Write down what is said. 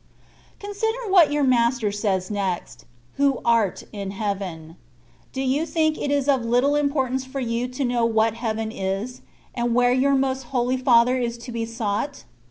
* CoNsiDEK what your Master says next :^' Who art in Heaven/^ Do you think it is of little im portance for you to know what heaven is, and where your Most Holy Father is to be sought